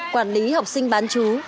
quản lý học sinh bán chú